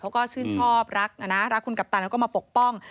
เขาก็ชื่นชอบรักนะนะรักคุณกัปตันแล้วก็มาปกป้อง